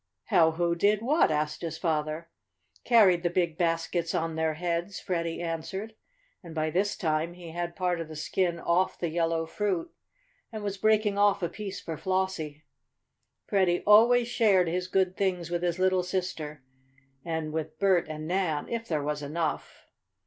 "How who did what?" asked his father. "Carried the big baskets on their heads," Freddie answered, and by this time he had part of the skin off the yellow fruit, and was breaking off a piece for Flossie. Freddie always shared his good things with his little sister, and with Bert and Nan if there was enough.